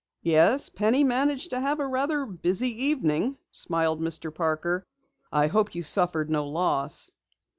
"Yes, Penny managed to have a rather busy evening," smiled Mr. Parker. "I hope you suffered no loss."